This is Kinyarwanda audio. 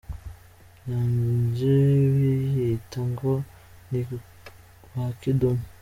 ryanje biyita ngo ni ba kidumu .